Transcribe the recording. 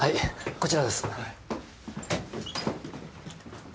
こちらです。